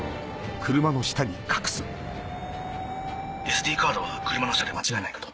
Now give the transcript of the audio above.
ＳＤカードは車の下で間違いないかと。